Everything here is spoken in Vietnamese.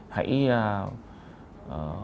các bạn sẽ